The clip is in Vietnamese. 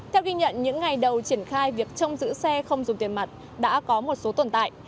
theo ghi nhận những ngày đầu triển khai việc trong giữ xe không dùng tiền mặt đã có một số tồn tại